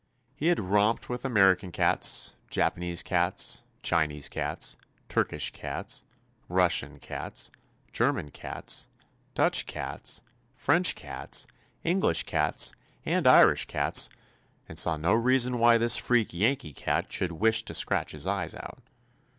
221 THE ADVENTURES OF He had romped with American cats, Japanese cats, Chinese cats, Turkish cats, Russian cats, German cats, Dutch cats, French cats, English cats, and Irish cats, and saw no reason why this freak Yankee cat should wish to scratch his eyes out.